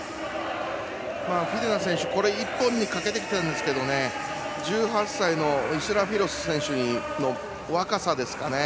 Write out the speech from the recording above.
フェディナ選手これ一本にかけてきたんですが１８歳のイスラフィロフ選手の若さですかね。